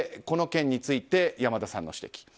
この件について、山田さんの指摘。